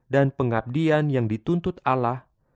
dan pengabdian yang dituntut allah